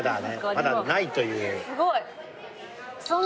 まだないという。